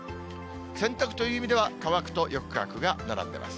洗濯という意味では、乾くとよく乾くが並んでます。